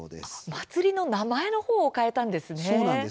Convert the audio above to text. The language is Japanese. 祭りの名前の方を変えたんですね。